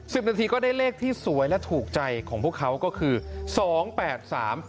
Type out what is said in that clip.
สิบนาทีก็ได้เลขที่สวยและถูกใจของพวกเขาก็คือสองแปดสาม